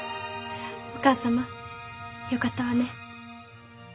お母様よかったわね。